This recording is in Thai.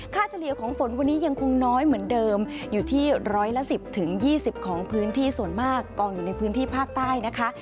เฉลี่ยของฝนวันนี้ยังคงน้อยเหมือนเดิมอยู่ที่ร้อยละ๑๐๒๐ของพื้นที่ส่วนมากกองอยู่ในพื้นที่ภาคใต้นะคะ